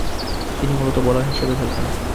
তিনি মূলতঃ বোলার হিসেবে খেলতেন।